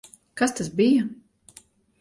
Kas tas bija?